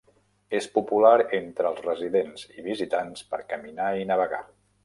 És popular entre els residents i visitants per caminar i navegar.